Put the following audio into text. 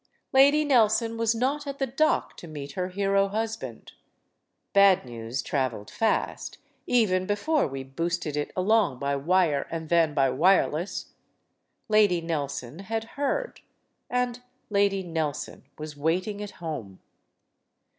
Lady Nelson was not at the dock to meet her hero husband. Bad news traveled fast, even before we boosted it along by wire and then by wireless. Lady Nelson had heard. And Lady Nelson was waiting at home.